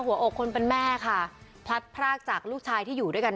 หัวอกคนเป็นแม่ค่ะพลัดพรากจากลูกชายที่อยู่ด้วยกัน